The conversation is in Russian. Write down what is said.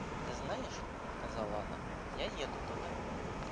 — Ты знаешь, — сказала она, — я еду туда.